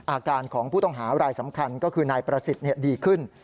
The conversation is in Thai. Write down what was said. อาการของผู้ต้องหารายสำคัญก็คือนายประสิทธิ์ดีขึ้น